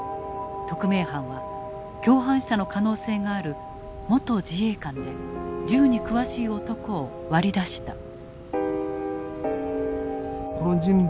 特命班は共犯者の可能性がある元自衛官で銃に詳しい男を割り出した。